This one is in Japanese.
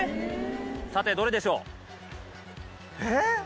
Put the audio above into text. さてどれでしょう？え？